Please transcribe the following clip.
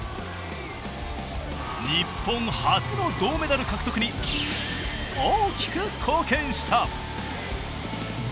日本初の銅メダル獲得に大きく貢献した。